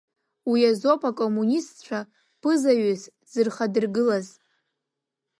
Уи азоуп акоммунистцәа ԥызаҩыс дзырхадыргылаз.